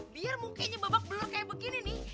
biar mungkinnya babak belur kayak begini nih